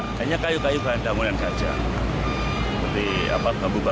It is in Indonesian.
astaga dari liat tidak ada pengetahuan apa yang menyebabkan pesawat memisah dengan penyembuhan kematuran bumbunya